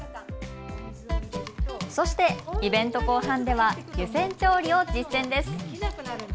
そしてイベント後半では湯煎調理を実践です。